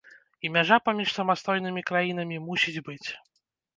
І мяжа паміж самастойнымі краінамі мусіць быць.